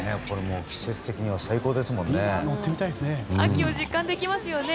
季節的には最高ですもんね。